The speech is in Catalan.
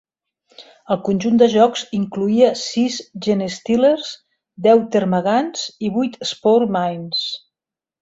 El conjunt de jocs incloïa sis Genestealers, deu Termagants i vuit Spore Mines.